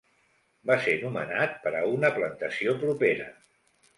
Va ser nomenat per a una plantació propera.